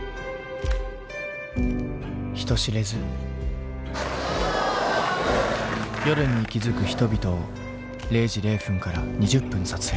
人知れず夜に息づく人々を０時０分から２０分撮影。